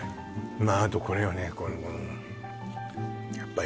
まああとこれよね